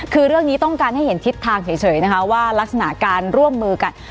คือเรื่องนี้ต้องการให้เห็นทิศทางเฉยนะคะว่ารักษณะการร่วมมือกัน